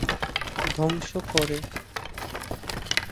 ধ্বংস করে।